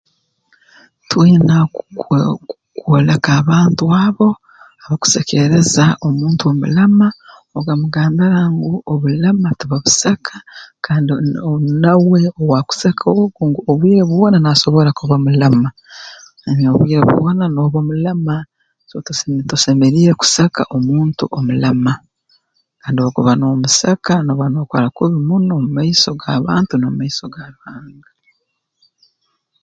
Twina ku ku kwoleka abantu abo abakusekeereza omuntu omulema okamugambira ngu obulema tibabuseka kandi nn nawe owaakuseka ogu obwire bwona naasobora kuba mulema obwire bwona nooba mulema so tose tosemeriire kuseka omuntu omulema kandi obu okuba noomuseka nooba nookora kubi muno mu maiso g'abantu n'omu maiso ga Ruhanga